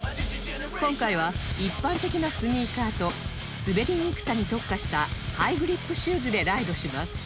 今回は一般的なスニーカーと滑りにくさに特化したハイグリップシューズでライドします